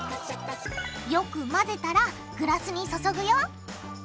よく混ぜたらグラスに注ぐよ。